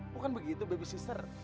bukan begitu baby sister